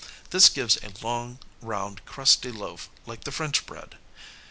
This gives a long, round crusty loaf like the French bread.